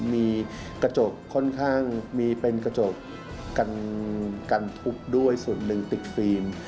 มีกระจกค่อนข้างมีเป็นกระจกกันทุบด้วยส่วนหนึ่งติดฟิล์ม